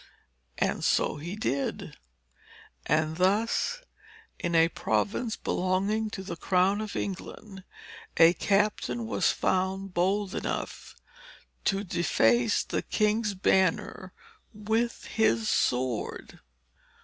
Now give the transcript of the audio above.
And so he did. And thus, in a province belonging to the crown of England, a captain was found bold enough to deface the King's banner with his sword.